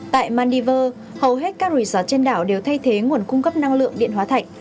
tại mandeville hầu hết các resort trên đảo đều thay thế nguồn cung cấp năng lượng điện hóa thạch